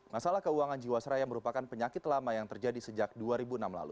masalah keuangan jiwasraya merupakan penyakit lama yang terjadi sejak dua ribu enam lalu